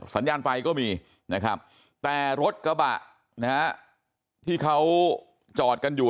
สัญญาณไฟก็มีนะครับแต่รถกระบะนะฮะที่เขาจอดกันอยู่